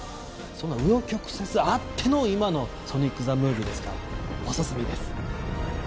そんな紆余曲折あっての今の「ソニック・ザ・ムービー」ですからおすすめです。